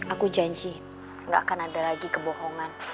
aku janji gak akan ada lagi kebohongan